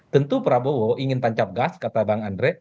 tentu prabowo ingin tancap gas kata bang andre